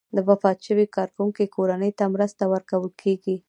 د وفات شوي کارکوونکي کورنۍ ته مرسته ورکول کیږي.